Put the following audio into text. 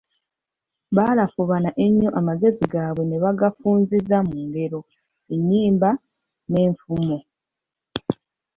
Balafuubana ennyo amagezi gaabwe ne bagafunziza mu ngero, ennyimba, n'enfumo.